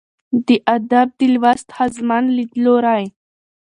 'د ادب د لوست ښځمن ليدلورى